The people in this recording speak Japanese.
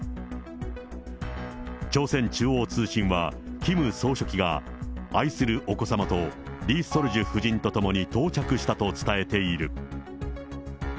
朝鮮中央通信はキム総書記が愛するお子様と、リ・ソルジュ夫人と共に到着したと伝えている。